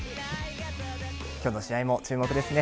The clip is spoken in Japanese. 今日の試合も注目ですね。